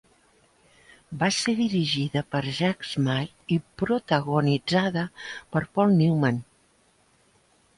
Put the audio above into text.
Va ser dirigida per Jack Smight i protagonitzada per Paul Newman.